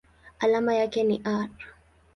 Alama yake ni Ar.